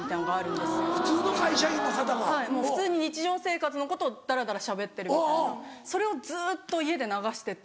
もう普通に日常生活のことをだらだらしゃべってるみたいなそれをずっと家で流してて。